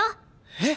えっ！？